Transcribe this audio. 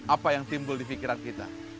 apa yang timbul di pikiran kita